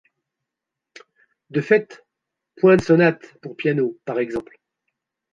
De fait, point de sonate pour piano, par exemple.